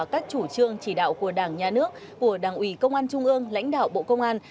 các chủ trương chỉ đạo của đảng nhà nước của đảng ủy công an trung ương lãnh đạo bộ công an